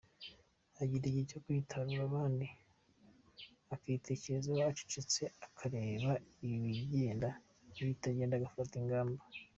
Agira igihe cyo kwitarura abandi akitekerezaho acecetse akareba ibigenda n’ibitagenda, agafata ingamba.